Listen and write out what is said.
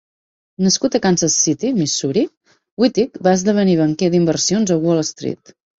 Nascut a Kansas City (Missouri), Wittig va esdevenir banquer d'inversions a Wall Street.